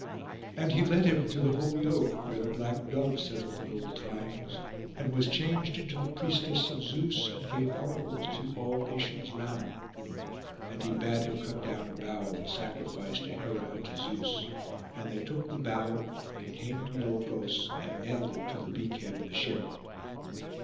And he led him to the holy oak, where the black dove settled in old times, and was changed into the priestess of Zeus, and gave oracles to all nations round. And he bade him cut down a bough, and sacrifice to Hera and to Zeus; and they took the bough and came to Iolcos, and nailed it to the beak head of the ship.